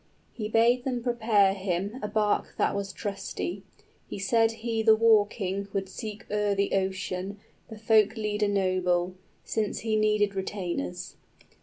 10 He bade them prepare him a bark that was trusty; He said he the war king would seek o'er the ocean, The folk leader noble, since he needed retainers.